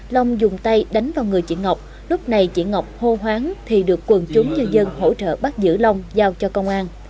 long dùng tay đánh vào người chị ngọc lúc này chị ngọc hô hoáng thì được quần chúng nhân dân hỗ trợ bắt giữ long giao cho công an